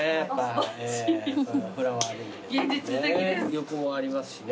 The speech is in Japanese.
横ありますしね。